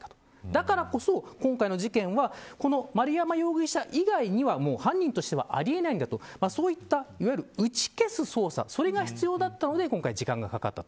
だからこそ今回の事件は丸山容疑者以外には犯人としてはあり得ないんだとそういった打ち消す捜査、それも必要だったので今回は時間がかかった。